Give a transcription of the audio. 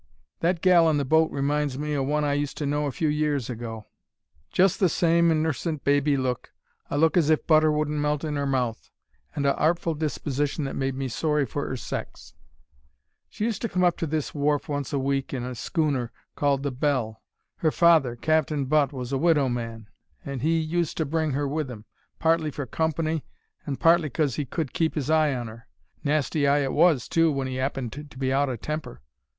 "That gal in the boat reminds me o' one I used to know a few years ago. Just the same innercent baby look—a look as if butter wouldn't melt in 'er mouth—and a artful disposition that made me sorry for 'er sects. "She used to come up to this wharf once a week in a schooner called the Belle. Her father, Cap'n Butt, was a widow man, and 'e used to bring her with 'im, partly for company and partly because 'e could keep 'is eye on her. Nasty eye it, was, too, when he 'appened to be out o' temper.